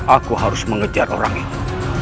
aku harus mengejar orang itu